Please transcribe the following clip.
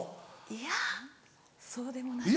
いやそうでもない。